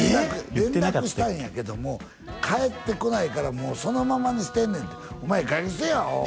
連絡したんやけども返ってこないからもうそのままにしてんねんてお前いいかげんにせえよアホ！